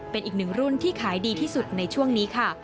เป็นอีกหนึ่งรุ่นที่ขายดีที่สุดในช่วงนี้ค่ะ